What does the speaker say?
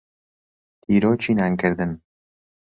تیرۆکی نانکردن.